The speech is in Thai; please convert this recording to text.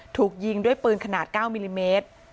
ถูกยิงด้วยปืนขนาด๙มิลลิเมตร